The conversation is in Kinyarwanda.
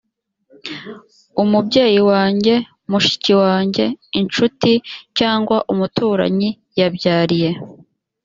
umubyeyi wanjye mushiki wanjye incuti cg umuturanyi yabyariye